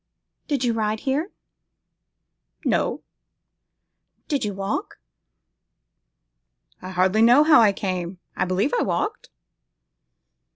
'Did you ride here?' 'No.' 'You did not walk?' 'I hardly know how I came; I believe I walked.